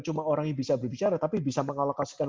cuma orang yang bisa berbicara tapi bisa mengalokasikan